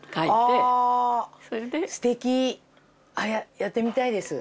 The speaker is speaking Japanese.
やってみたいです。